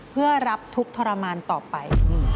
เพื่อรับทุกข์ทรมานต่อไป